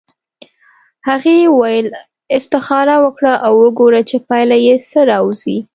هغې وویل استخاره وکړه او وګوره چې پایله یې څه راوځي.